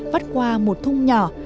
vắt qua một thung nhỏ